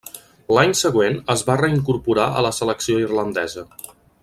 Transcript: L'any següent es va reincorporar a la selecció irlandesa.